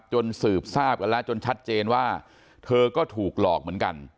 สืบทราบกันแล้วจนชัดเจนว่าเธอก็ถูกหลอกเหมือนกัน